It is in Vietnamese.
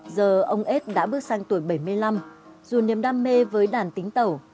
giờ ông ết đã bước sang tuổi bảy mươi năm dù niềm đam mê với đàn tính tẩu